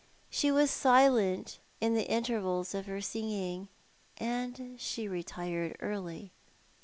She was silent in the intervals of her singing, and she retired early.